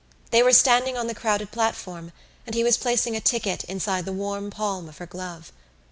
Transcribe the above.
They were standing on the crowded platform and he was placing a ticket inside the warm palm of her glove.